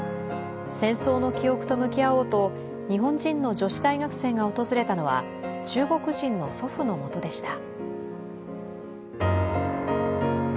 戦争の記憶と向き合おうと日本人の女子大学生が訪れたのは中国人の祖父のもとでした。